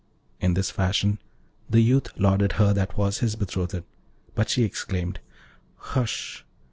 In this fashion the youth lauded her that was his betrothed, but she exclaimed, 'Hush!